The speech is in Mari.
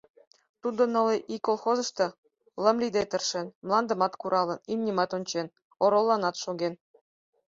Тудо нылле ий колхозышто лым лийде тыршен: мландымат куралын, имньымат ончен, оролланат шоген.